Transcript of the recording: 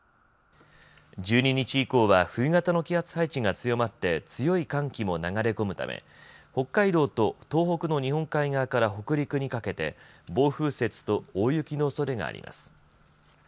１２日以降は冬型の気圧配置が強まって強い寒気も流れ込むため北海道と東北の日本海側から北陸にかけて暴風雪と大雪のおそれがあります。